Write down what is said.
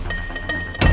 ia terjadi karena